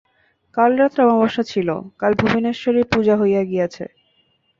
কাল রাত্রে অমাবস্যা ছিল, কাল ভুবনেশ্বরীর পূজা হইয়া গিয়াছে।